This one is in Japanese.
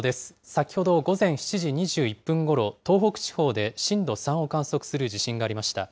先ほど午前７時２１分ごろ、東北地方で震度３を観測する地震がありました。